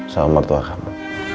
salam mertua kamu